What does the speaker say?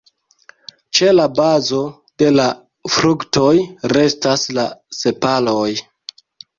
Ĉe la bazo de la fruktoj restas la sepaloj.